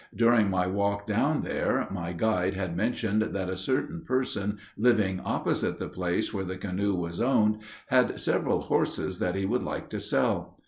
During my walk down there, my guide had mentioned that a certain person living opposite the place where the canoe was owned had several horses that he would like to sell.